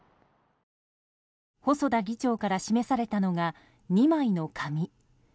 細田議長から示されたのが２枚の紙。